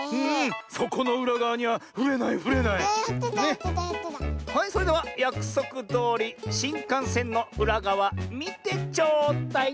はいそれではやくそくどおりしんかんせんのうらがわみてちょうだい！